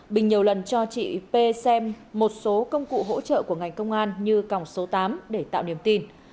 bình nhiều lần cho chị p xem một số công cụ hỗ trợ của ngành công an như còng số tám để tạo niềm tin